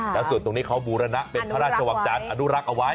แล้วส่วนตรงนี้เขาบูรณะเป็นพระราชวังจารย์อนุรักษ์เอาไว้